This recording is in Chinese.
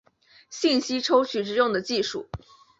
信息抽取之用的技术。